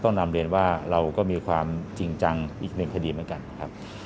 ต้องนำเรียนว่าเราก็มีความจริงจังในคดีเหมือนกัน